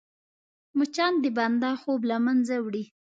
مچان د بنده خوب له منځه وړي